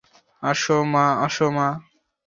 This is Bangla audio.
আসো, মা।